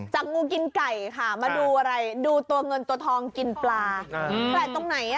งูกินไก่ค่ะมาดูอะไรดูตัวเงินตัวทองกินปลาแปลกตรงไหนอ่ะ